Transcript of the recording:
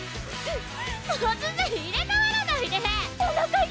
突然入れ替わらないでおなか痛